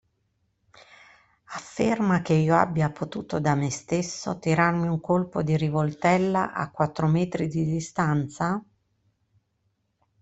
Afferma che io abbia potuto da me stesso tirarmi un colpo di rivoltella a quattro metri di distanza?